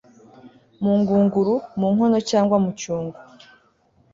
mu ngunguru, mu nkono cyangwa mu cyungo